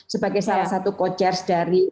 sebagai salah satu co chairs dari